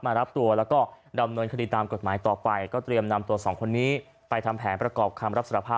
รับตัวแล้วก็ดำเนินคดีตามกฎหมายต่อไปก็เตรียมนำตัวสองคนนี้ไปทำแผนประกอบคำรับสารภาพ